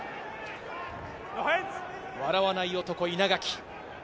笑わない男・稲垣。